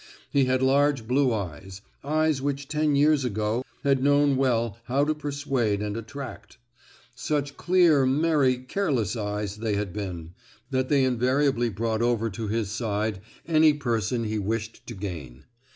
He had large blue eyes—eyes which ten years ago had known well how to persuade and attract; such clear, merry, careless eyes they had been, that they invariably brought over to his side any person he wished to gain.